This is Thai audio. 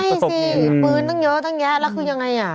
ใช่สิปืนตั้งเยอะตั้งแยะแล้วคือยังไงอ่ะ